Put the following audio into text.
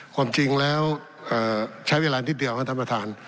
ความจริงแล้วเอ่อใช้เวลานิดเดียวนะท่านประทาน